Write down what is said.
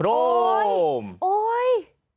โอ้ยโอ้ย